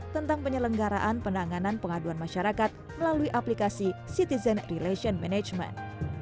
tentang penyelenggaraan penanganan pengaduan masyarakat melalui aplikasi citizen relations management